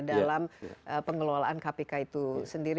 dalam pengelolaan kpk itu sendiri